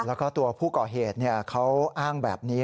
แล้วก็ตัวผู้ก่อเหตุเขาอ้างแบบนี้